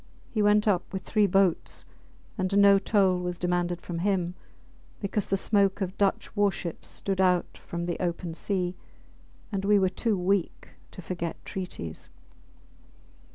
He went up with three boats, and no toll was demanded from him, because the smoke of Dutch war ships stood out from the open sea, and we were too weak to forget treaties.